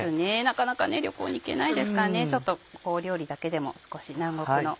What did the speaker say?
なかなか旅行に行けないですから料理だけでも少し南国の。